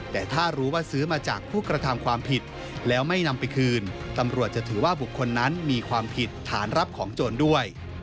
แต่ถ้ารู้ว่าซื้อมาจากผู้กระทำความผิดแล้วไม่นำไปคืนตำรวจจะถือว่าบุคคลนั้นมีความผิดฐานรับของโจรด้วย